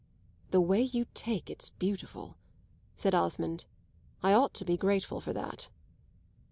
"The way you take it's beautiful," said Osmond. "I ought to be grateful for that."